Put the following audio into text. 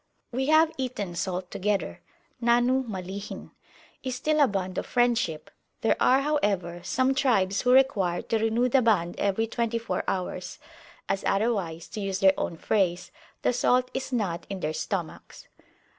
We have eaten salt together (Nahnu Malihin) is still a bond of friendship: there are, however, some tribes who require to renew the bond every twenty four hours, as otherwise, to use their own phrase, the salt is not in their stomachs.